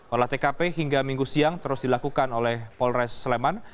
olah tkp hingga minggu siang terus dilakukan oleh polres sleman